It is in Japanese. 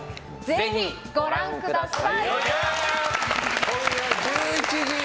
ぜひご覧ください。